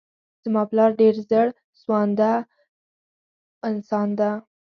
زما پلار ډير زړه سوانده انسان دی.